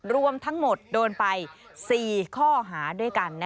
รวมทั้งหมดโดนไป๔ข้อหาด้วยกัน